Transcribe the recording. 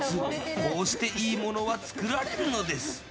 こうしていいものは作られるのです。